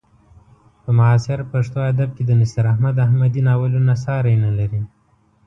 په معاصر پښتو ادب کې د نصیر احمد احمدي ناولونه ساری نه لري.